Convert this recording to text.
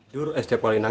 perdi gigit sama tenor